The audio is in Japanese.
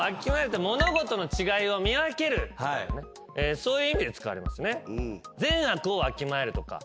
そういう意味で使われますね。